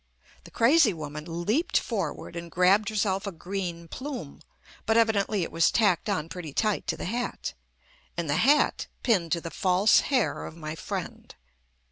The crazy woman leaped forward and grabbed herself a green plume, but evi dently it was tacked on pretty tight to the hat, and the hat pinned to the false hair of my friend.